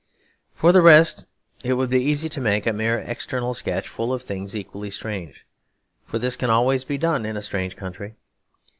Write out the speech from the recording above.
For the rest, it would be easy to make a merely external sketch full of things equally strange; for this can always be done in a strange country.